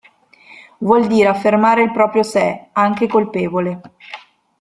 Vuol dire affermare il proprio sé, anche colpevole.